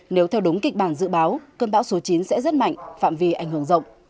nếu theo đúng kịch bản dự báo cơn bão số chín sẽ rất mạnh phạm vi ảnh hưởng rộng